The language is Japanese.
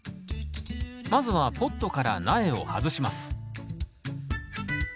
まずはポットから苗を外します